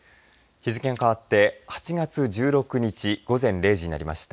日付が変わって８月１６日午前０時になりました。